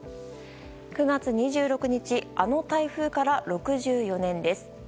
９月２６日あの台風から６４年です。